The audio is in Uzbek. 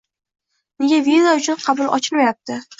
Nega viza uchun qabul ochilmayapti?